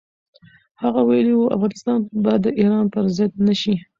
هغه ویلي و، افغانستان به د ایران پر ضد نه شي.